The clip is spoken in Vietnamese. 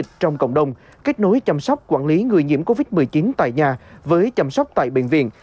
trong cộng đồng kết nối chăm sóc quản lý người nhiễm covid một mươi chín tại nhà với chăm sóc tại bệnh viện